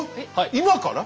今から？